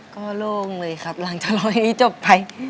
ก็โล่งเลยครับหลังจะรอนำให้จบไป